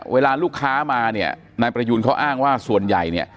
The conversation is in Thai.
เวลาลูกค้ามาเนี่ยนายประยูนเขาอ้างว่าส่วนใหญ่เนี่ย